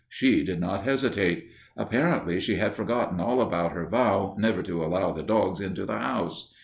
She did not hesitate. Apparently she had forgotten all about her vow never to allow the dogs into the house.